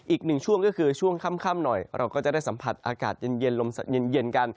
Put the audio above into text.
อีกหนึ่งช่วงก็คือช่วงค่ำหน่อยเราก็จะได้สัมผัสอากาศเย็นลมเย็นกัน